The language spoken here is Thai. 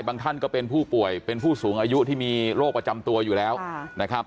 ท่านก็เป็นผู้ป่วยเป็นผู้สูงอายุที่มีโรคประจำตัวอยู่แล้วนะครับ